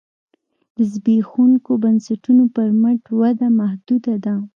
د زبېښونکو بنسټونو پر مټ وده محدوده ده